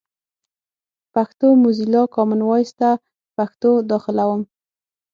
پښتو موزیلا، کامن وایس ته پښتو داخلوم.